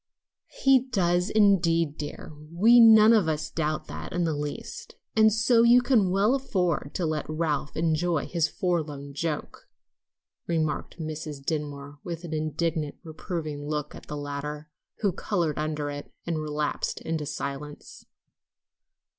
"He does, indeed, dear; we none of us doubt that in the least; and so you can well afford to let Ralph enjoy his forlorn joke," remarked Mrs. Dinsmore, with an indignant, reproving look at the latter, who colored under it, and relapsed into silence.